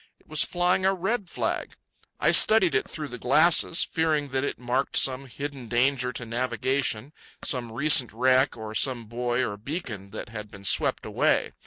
It was flying a red flag. I studied it through the glasses, fearing that it marked some hidden danger to navigation, some recent wreck or some buoy or beacon that had been swept away.